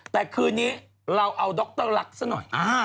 แต่คืนนี้เราเอาดรลักษณ์ซะหน่อย